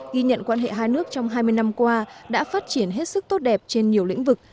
ghi nhận quan hệ hai nước trong hai mươi năm qua đã phát triển hết sức tốt đẹp trên nhiều lĩnh vực